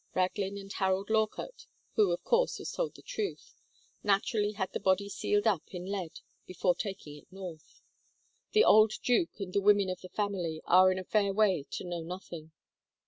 Raglin and Harold Lorcutt who, of course, was told the truth naturally had the body sealed up in lead before taking it north. The old duke and the women of the family are in a fair way to know nothing."